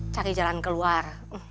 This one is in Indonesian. cari jalan keluar